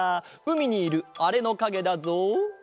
うみにいるあれのかげだぞ。